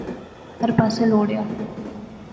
ہر پاسے لوڑیا